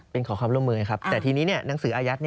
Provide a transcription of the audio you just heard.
เป็นขอความร่วมมือครับแต่ทีนี้หนังสืออายัด